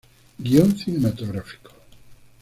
Guion cinematográfico.